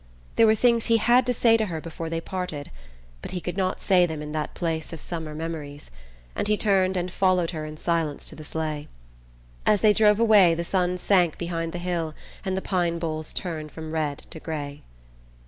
There were things he had to say to her before they parted, but he could not say them in that place of summer memories, and he turned and followed her in silence to the sleigh. As they drove away the sun sank behind the hill and the pine boles turned from red to grey.